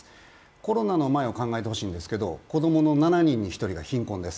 コロナの前を考えて欲しいんですけど子供の７人に１人は貧困です。